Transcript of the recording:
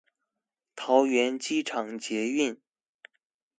桃園機場捷運